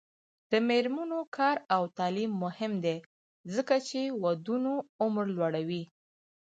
د میرمنو کار او تعلیم مهم دی ځکه چې ودونو عمر لوړوي.